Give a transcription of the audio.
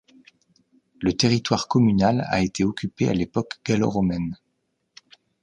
Le territoire communal a été occupé à l'époque gallo-romaine.